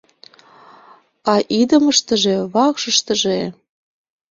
А идымыштыже, вакшыштыже...